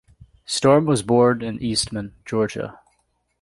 Storm was born in Eastman, Georgia.